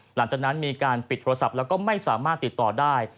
หลังจากนั้นมีการปิดโทรศัพท์แล้วก็ไม่สามารถติดต่อได้